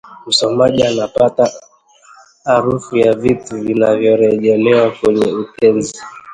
Msomaji anapata harufu ya vitu vinavyorejelewa kwenye utenzi